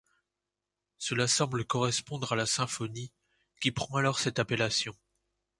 Cela semble correspondre à la symphonie, qui prend alors cette appellation.